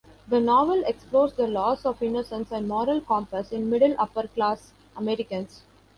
The novel explores the loss of innocence and moral compass in middle-upper class Americans.